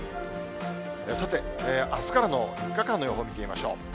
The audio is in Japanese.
さて、あすからの３日間の予報を見てみましょう。